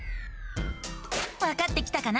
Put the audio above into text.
わかってきたかな？